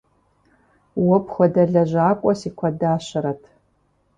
Уэ пхуэдэ лэжьакӀуэ си куэдащэрэт.